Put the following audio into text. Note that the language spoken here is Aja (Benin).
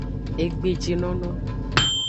Egbejinono.